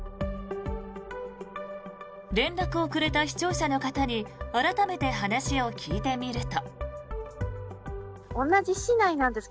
連絡をくれた視聴者の方に改めて話を聞いてみると。